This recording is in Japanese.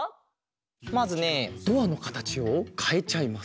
まずねドアのかたちをかえちゃいます。